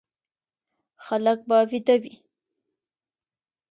خلک به ويده وي،